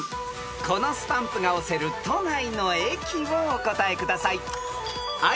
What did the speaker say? ［このスタンプが押せる都内の駅をお答えください］